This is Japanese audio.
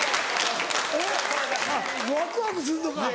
ワクワクすんのか。